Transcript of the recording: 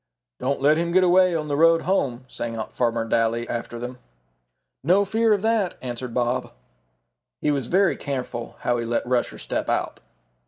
"Don't let him get away on the road home," sang out Farmer Daly after them. "No fear of that," answered Bob. He was very careful how he let Rusher step out.